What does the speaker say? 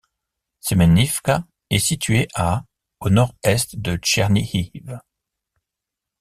Semenivka est située à au nord-est de Tchernihiv.